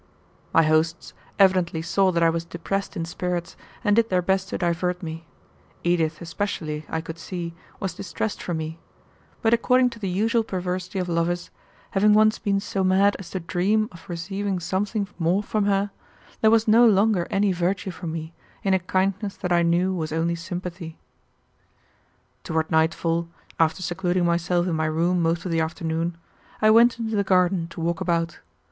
My hosts evidently saw that I was depressed in spirits, and did their best to divert me. Edith especially, I could see, was distressed for me, but according to the usual perversity of lovers, having once been so mad as to dream of receiving something more from her, there was no longer any virtue for me in a kindness that I knew was only sympathy. Toward nightfall, after secluding myself in my room most of the afternoon, I went into the garden to walk about.